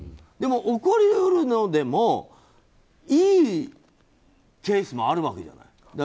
でも、起こり得るのでもいいケースもあるわけじゃない。